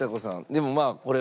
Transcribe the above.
でもまあこれは。